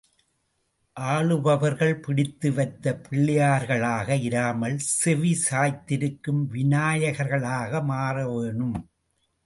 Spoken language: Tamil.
ஆளுபவர்கள் பிடித்து வைத்த பிள்ளையார்களாக இராமல், செவிசாய்த்திருக்கும் விநாயகர்களாக மாற வேணும்.